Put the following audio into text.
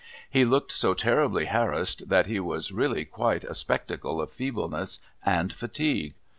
He looked so terribly harassed, that he was really quite a spectacle of feebleness and fatigue.